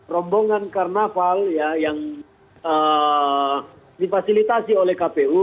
rombongan karnaval yang difasilitasi oleh kpu